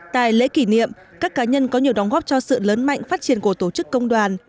tại lễ kỷ niệm các cá nhân có nhiều đóng góp cho sự lớn mạnh phát triển của tổ chức công đoàn